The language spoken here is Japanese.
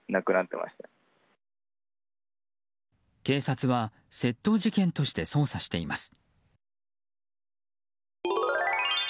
警察は窃盗事件として捜査しています。